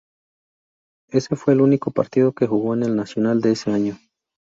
Ese fue el único partido que jugó en el Nacional de ese año.